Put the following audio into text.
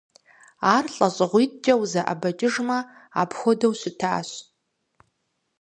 Ар лӀэщӀыгъуитӀкӀэ узэӀэбэкӀыжмэ апхуэдэу щытащ.